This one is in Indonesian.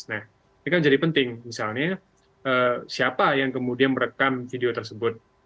nah ini kan jadi penting misalnya siapa yang kemudian merekam video tersebut